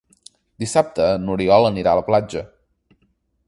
Dissabte n'Oriol anirà a la platja.